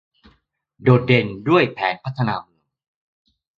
โดดเด่นด้วยแผนพัฒนาเมือง